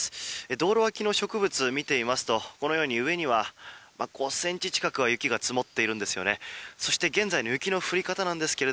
道路脇の植物を見てみますとこのように、上には５ｃｍ近くは雪が積もっているんですよね。